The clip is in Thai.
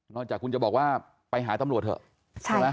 จากคุณจะบอกว่าไปหาตำรวจเถอะใช่ไหม